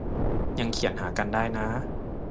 ยังเขียนหากันได้นะ